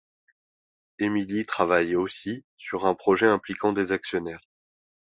Emily travaille aussi sur un projet impliquant des actionnaires.